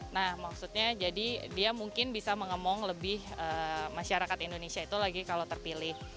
nah maksudnya jadi dia mungkin bisa mengemong lebih masyarakat indonesia itu lagi kalau terpilih